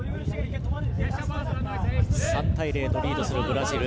３対０とリードするブラジル。